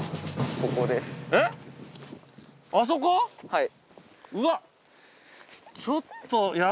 はい。